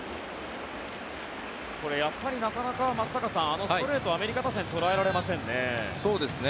やっぱりなかなか松坂さんあのストレートアメリカ打線が捉えられませんね。